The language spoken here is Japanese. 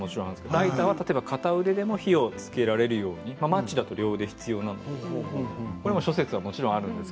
ライターは、例えば、片腕でも火をつけられるようにマッチだと両腕が必要なのでこれももちろん諸説あります。